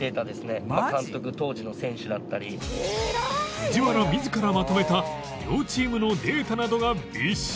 藤原自らまとめた両チームのデータなどがびっしり！